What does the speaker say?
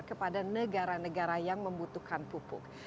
kepada negara negara yang membutuhkan pupuk